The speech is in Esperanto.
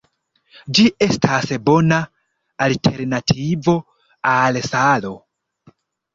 Ĝi estas bona alternativo al salo.